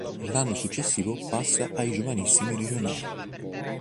L'anno successivo passa ai giovanissimi regionali.